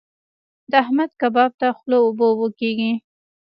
د احمد کباب ته خوله اوبه اوبه کېږي.